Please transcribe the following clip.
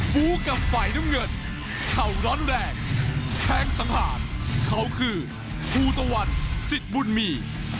ฟู้กับฝ่ายน้ำเงินเข่าร้อนแรงแทงสังหารเขาคือภูตะวันสิทธิ์บุญมี